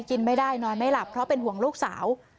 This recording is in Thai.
กินไม่ได้นอนไม่หลับเพราะเป็นห่วงลูกสาว